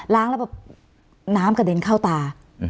แล้วแบบน้ำกระเด็นเข้าตา